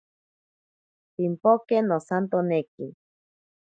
Pimpoke nosantoneki.